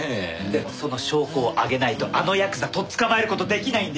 でもその証拠を挙げないとあのヤクザとっ捕まえる事出来ないんですよ。